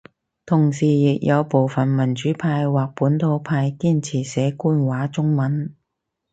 同時亦有部份民主派或本土派堅持寫官話中文